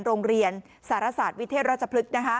โรงเรียนสารศาสตร์วิเทศราชพฤกษ์